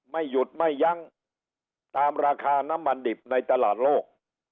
ไม่หยุดไม่ยั้งตามราคาน้ำมันดิบในตลาดโลก